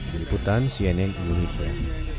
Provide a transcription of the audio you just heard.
peniputan cnn indonesia